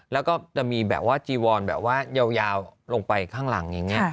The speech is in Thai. แล้วก็จะมีแบบว่าจีวอนแบบว่ายาวลงไปข้างหลังอย่างนี้